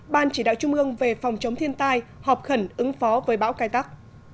ban chỉ đạo trung ương về phòng chống thiên tai họp khẩn ứng phó với bão cài tắc